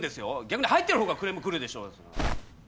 逆に入ってるほうがクレームくるでしょうよ。